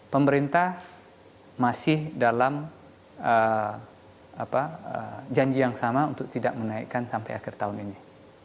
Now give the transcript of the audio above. pemerintah masih dalam janji yang sama untuk tidak menaikkan sampai akhir tahun ini